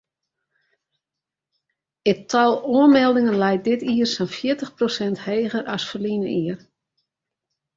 It tal oanmeldingen leit dit jier sa'n fjirtich prosint heger as ferline jier.